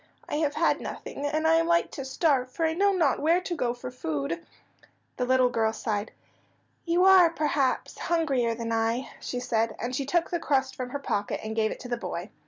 "I have had nothing, and I am like to starve, for I know not where to go for food." The little girl sighed. "You are, perhaps, hungrier than I," she said, and she took the crust from her pocket and gave it to the boy.